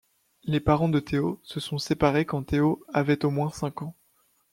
Les parents de Théo se sont séparés quand Théo avait au moins cinq ans.